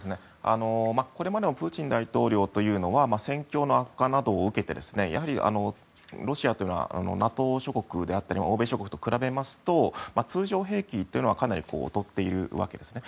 これまでもプーチン大統領というのは戦況の悪化などを受けてロシアというのはＮＡＴＯ諸国であったり欧米諸国と比べますと通常兵器というのはかなり劣っているわけですね。